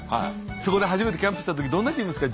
そこで初めてキャンプした時どんな気分ですか？